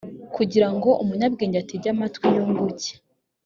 kugira ngo umunyabwenge atege amatwi yunguke